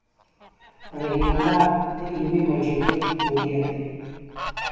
رحيم الله د علمي مجلې مدير دی.